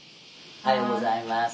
おはようございます。